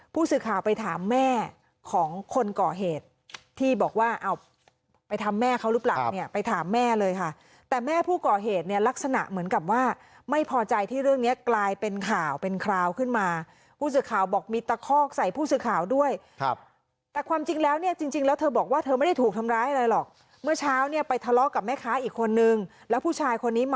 ผู้สื่อข่าวไปถามแม่ของคนก่อเหตุที่บอกว่าเอาไปทำแม่เขาหรือเปล่าเนี่ยไปถามแม่เลยค่ะแต่แม่ผู้ก่อเหตุเนี่ยลักษณะเหมือนกับว่าไม่พอใจที่เรื่องนี้กลายเป็นข่าวเป็นคราวขึ้นมาผู้สื่อข่าวบอกมีตะคอกใส่ผู้สื่อข่าวด้วยครับแต่ความจริงแล้วเนี่ยจริงแล้วเธอบอกว่าเธอไม่ได้ถูกทำร้ายอะไรหรอกเมื่อเช้าเนี่ยไปทะเลาะกับแม่ค้าอีกคนนึงแล้วผู้ชายคนนี้มา